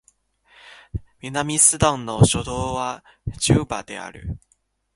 南スーダンの首都はジュバである